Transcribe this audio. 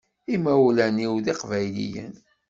Imawlan-iw d iqbayliyen.